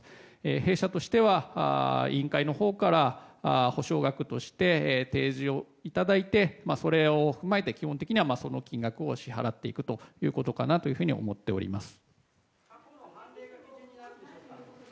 弊社としては、委員会のほうから補償額として提示をいただいてそれを踏まえて基本的にはその金額を支払っていくということかなと思っております。